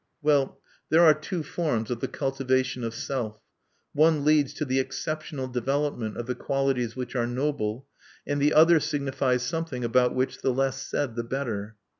Well, there are two forms of the cultivation of Self. One leads to the exceptional development of the qualities which are noble, and the other signifies something about which the less said the better.